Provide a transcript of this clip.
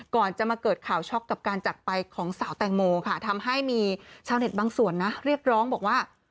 ก่อนจะมาเกิดข่าวช็อกกับการจักรไปของสาวแตงโมค่ะทำให้มีชาวเน็ตบางส่วนนะเรียกร้องบอกว่า